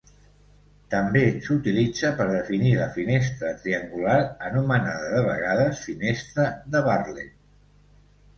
També s'utilitza per definir la finestra triangular, anomenada de vegades "finestra de Bartlett".